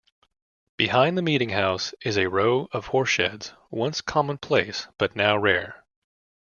Behind the meetinghouse is a row of horse sheds, once commonplace but now rare.